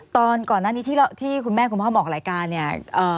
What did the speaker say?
ตอนก่อนหน้านี้ที่คุณแม่คุณพ่อมาออกรายการเนี่ย